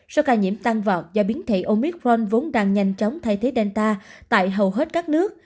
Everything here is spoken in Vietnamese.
số ca nhiễm tăng vọt do biến thể omicron vốn đang nhanh chóng thay thế delta tại hầu hết các nước